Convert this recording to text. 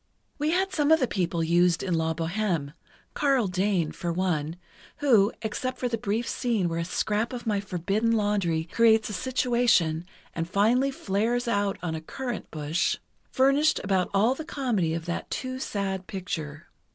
"We had some of the people used in 'La Bohême'—Karl Dane, for one, who, except for the brief scene where a scrap of my forbidden laundry creates a situation and finally flares out on a currant bush—furnished about all the comedy of that too sad picture.